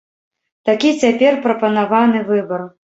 Такі цяпер прапанаваны выбар.